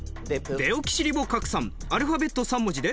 デオキシリボ核酸アルファベット３文字で？